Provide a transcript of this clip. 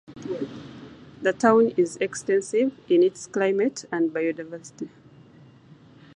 The town is extensive in its climate and biodiversity.